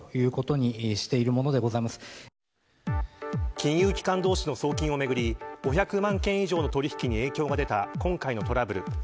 金融機関同士の送金をめぐり５００万件以上の取引に影響が出た今回のトラブル。